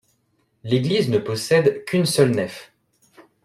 L'église ne possède qu'une seule nef.